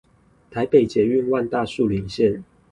台北捷運萬大樹林線